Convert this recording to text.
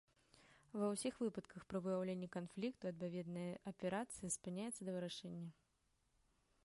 Ва ўсіх выпадках пры выяўленні канфлікту адпаведная аперацыя спыняецца да вырашэння.